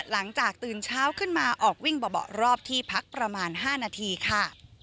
ตื่นเช้าขึ้นมาออกวิ่งเบาะรอบที่พักประมาณ๕นาทีค่ะ